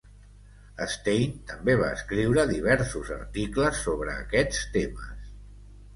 Stein també va escriure diversos articles sobre aquests temes.